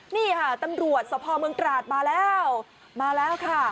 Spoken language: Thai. นี่ค่ะตำรวจสภเมืองตราดมาแล้วมาแล้วค่ะ